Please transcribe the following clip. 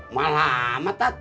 malah amat tat